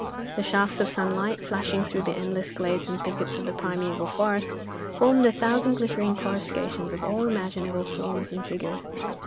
The shafts of sunlight, flashing through the endless glades and thickets of the primeval forest, formed a thousand glittering coruscations of all imaginable forms and figures.